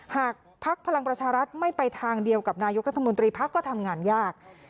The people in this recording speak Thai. ภักดิ์พลังประชารัฐไม่ไปทางเดียวกับนายกรัฐมนตรีพักก็ทำงานยาก